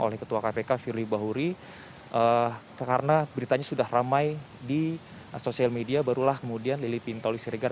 oleh ketua kpk firly bahuri karena beritanya sudah ramai di sosial media barulah kemudian lili pintoli siregar